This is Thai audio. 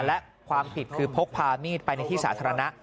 และความผิดคือพกพามีดไปในที่สาธารณะ